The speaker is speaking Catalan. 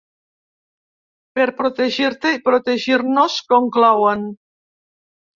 Per protegir-te i protegir-nos, conclouen.